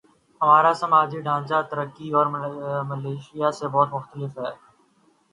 ہمارا سماجی ڈھانچہ ترکی اور ملائشیا سے بہت مختلف ہے۔